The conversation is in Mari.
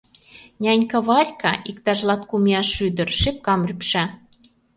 Нянька Варька, иктаж латкум ияш ӱдыр, шепкам рӱпша.